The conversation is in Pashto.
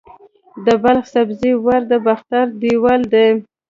د بلخ سبزې وار د باختر دیوال دی